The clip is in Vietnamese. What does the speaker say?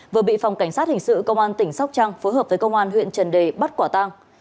vừa bị phòng cảnh sát hình sự công an tỉnh sóc trăng phối hợp với công an huyện trần đề bắt quả tang